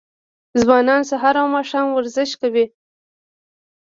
ځوانان سهار او ماښام ورزش کوي.